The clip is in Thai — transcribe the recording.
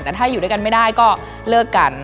แต่ถ้าอยู่ด้วยกันไม่ได้ก็เลิกกัน